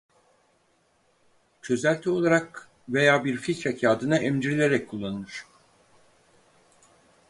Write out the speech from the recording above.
Çözelti olarak veya bir filtre kâğıdına emdirilerek kullanılır.